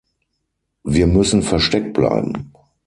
Wir müssen versteckt bleiben.